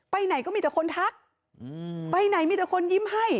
ไปไหนก็มีแต่คนทักไปไหนมีแต่คนยิ้มให้